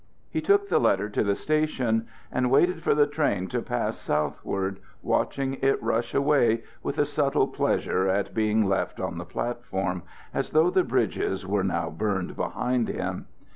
He took the letter to the station, and waited for the train to pass southward, watching it rush away with a subtle pleasure at being left on the platform, as though the bridges were now burned behind him.